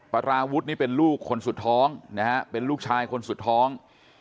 ปราวุฒินี่เป็นลูกคนสุดท้องนะฮะเป็นลูกชายคนสุดท้อง